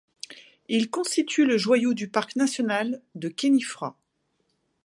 Il constitue le joyau du parc national de Khénifra.